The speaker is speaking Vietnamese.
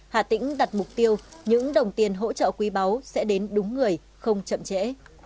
hà tĩnh đặt mục tiêu những đồng tiền hỗ trợ quý báu sẽ đến đúng người không chậm trễ